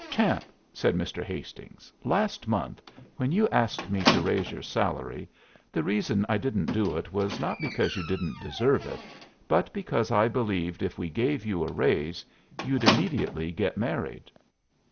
"Champ," said Mr. Hastings, "last month, when you asked me to raise your salary, the reason I didn't do it was not because you didn't deserve it, but because I believed if we gave you a raise you'd immediately get married."